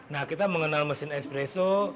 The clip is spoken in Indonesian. nah kita mengenal mesin espresso